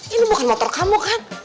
ini bukan motor kamu kan